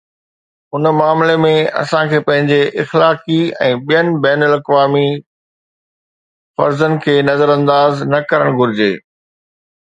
ان معاملي ۾، اسان کي پنهنجي اخلاقي ۽ بين الاقوامي فرضن کي نظرانداز نه ڪرڻ گهرجي.